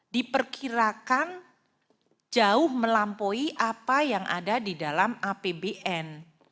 diperkirakan jauh melampaui apa yang ada di dalam apbn